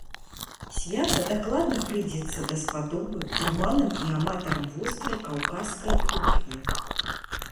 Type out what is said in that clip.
Свята дакладна прыйдзецца даспадобы гурманам і аматарам вострай каўказскай кухні.